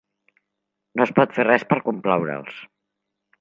No es pot fer res per complaure'ls.